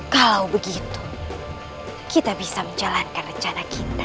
kalau begitu kita bisa menjalankan rencana kita